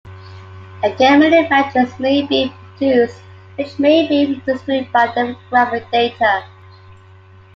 Again many matches may be produced which may be restricted by demographic data.